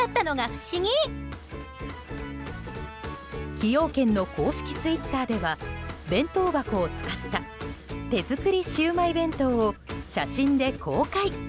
崎陽軒の公式ツイッターでは弁当箱を使った手作りシウマイ弁当を写真で公開。